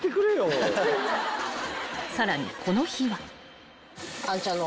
［さらにこの日は］